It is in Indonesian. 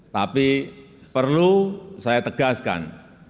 tapi perlu saya tegaskan